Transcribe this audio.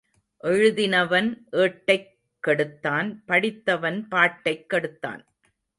எழுதினவன் ஏட்டைக் கெடுத்தான் படித்தவன் பாட்டைக் கெடுத்தான்.